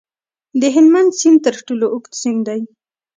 د هلمند سیند تر ټولو اوږد سیند دی